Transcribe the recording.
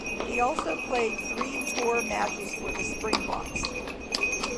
He also played three tour matches for the Springboks.